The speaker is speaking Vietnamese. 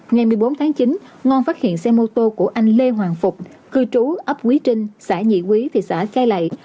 ngày một mươi bốn tháng chín ngon phát hiện xe mô tô của anh lê hoàng phục cư trú ấp quý trinh xã nhị quý thị xã cai lệ